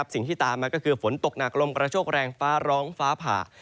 สิ่งที่ตามมาก็คือฝนตกหนักลมกระโชคแรงฟ้าร้องฟ้าผ่า